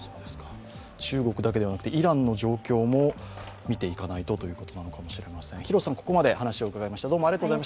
中国だけではなくてイランの状況も見ていかないとということなのかもしれません。